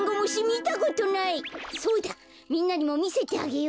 みんなにもみせてあげよう。